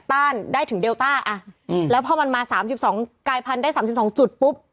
ต้านได้ถึงเดลต้าแล้วพอมันมา๓๒กายพันธุได้๓๒จุดปุ๊บ